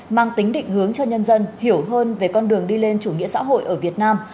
mang tính định hướng cho nhân dân hiểu hơn về con đường đi lên chủ nghĩa xã hội ở việt nam